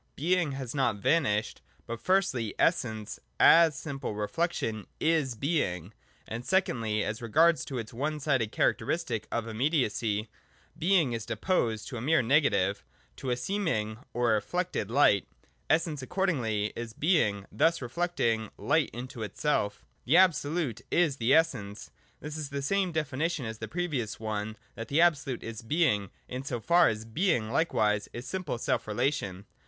— Being has not vanished : but, firstly, Essence, as simple self relation, is Being, and secondly as regards its one sided charac teristic of immediacy, Being is deposed to a mere nega tive, to a seeming or reflected light — Essence accordingly is Being thus reflecting light into itself. The Absolute is the Essence. This is the same defi nition as the previous one that the Absolute is Being, in so far as Being likewise is simple self relation.